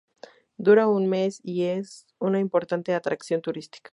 Dura un mes y es una importante atracción turística.